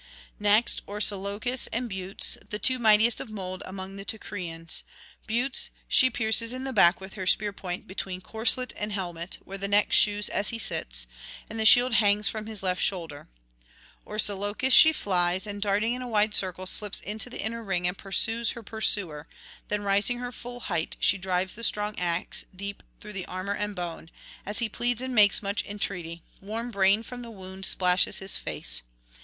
Next Orsilochus and Butes, the two mightiest of mould among the Teucrians; Butes she pierces in the [692 725]back with her spear point between corslet and helmet, where the neck shews as he sits, and the shield hangs from his left shoulder; Orsilochus she flies, and darting in a wide circle, slips into the inner ring and pursues her pursuer; then rising her full height, she drives the strong axe deep through armour and bone, as he pleads and makes much entreaty; warm brain from the wound splashes his face.